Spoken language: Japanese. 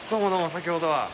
先ほどは。